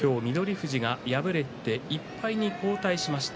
富士が今日、敗れて１敗に後退しました。